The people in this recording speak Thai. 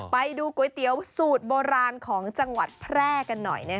ไปดูก๋วยเตี๋ยวสูตรโบราณของจังหวัดแพร่กันหน่อย